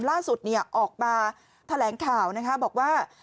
ล่าสุดออกมาแถลงข่าวนะคะบอกว่า